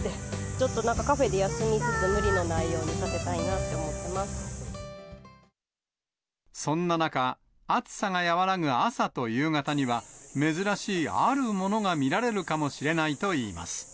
ちょっとなんかカフェで休みつつ、無理のないようにさせたいなと思そんな中、暑さが和らぐ朝と夕方には、珍しいあるものが見られるかもしれないといいます。